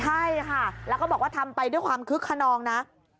ใช่ค่ะแล้วก็บอกว่าทำไปด้วยความคึกขนองนะ